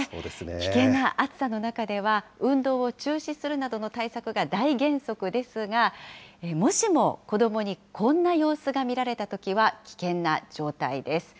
危険な暑さの中では運動を中止するなどの対策が大原則ですが、もしも子どもにこんな様子が見られたときは危険な状態です。